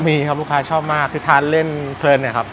มีครับลูกค้าชอบมากคือทานเล่นเพลินเนี่ยครับ